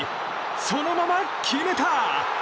そのまま決めた！